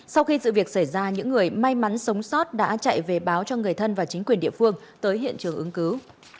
sau khi sự việc xảy ra những người may mắn sống sót đã chạy về báo cho người thân và chính quyền địa phương tới hiện trường ứng cứu